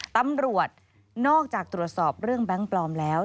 ตำรวจนอกจากตรวจสอบเรื่องแบงค์ปลอมแล้ว